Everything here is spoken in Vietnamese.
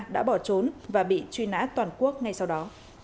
đã bỏ trốn và bị truy nã toàn quốc ngay sau đó